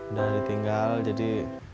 udah ditinggal jadi